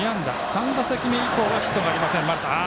３打席目以降はヒットがありません、丸田。